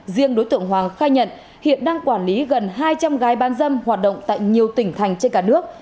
riêng đối tượng hoàng khai nhận hiện đang quản lý gần hai trăm linh gái bán dâm hoạt động tại nhiều tỉnh thành trên cả nước